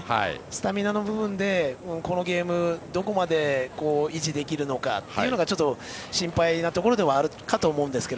スタミナの部分でこのゲームどこまで維持できるのかっていうのが心配なところではあるかと思うんですが。